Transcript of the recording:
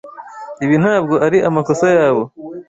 Ibi ntabwo ari amakosa yabo.